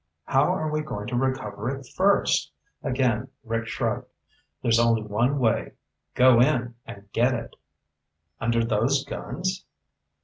"How are we going to recover it first?" Again Rick shrugged. "There's only one way. Go in and get it." "Under those guns?"